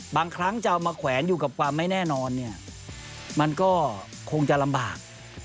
บางครั้งจะเอามาแขวนอยู่กับความไม่แน่นอนเนี่ยมันก็คงจะลำบาก